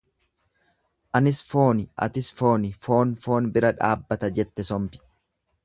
Anis fooni atis fooni, foon foon bira dhaabbata jette sombi.